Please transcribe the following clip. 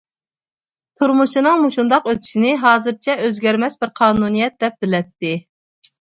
تۇرمۇشىنىڭ مۇشۇنداق ئۆتۈشىنى ھازىرچە ئۆزگەرمەس بىر قانۇنىيەت دەپ بىلەتتى.